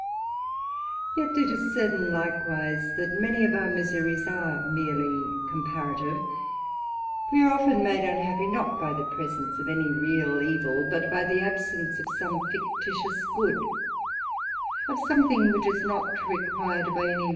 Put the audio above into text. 246 THE ADVENTURER. Yet it is certain likewise, that many of our miseries merely comparative : we are often made mihappy, not t^J the presence of any real evil, but by the absence of soir^ * fictitious good \ of something which is not required by ajm ^.